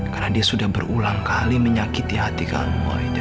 karena dia sudah berulang kali menyakiti hati kamu aida